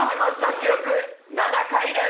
記録７回です。